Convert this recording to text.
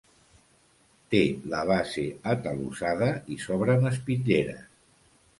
Té la base atalussada i s'obren espitlleres.